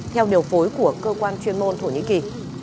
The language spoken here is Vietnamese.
theo điều phối của cơ quan chuyên môn thổ nhĩ kỳ